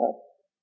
hai là phải tìm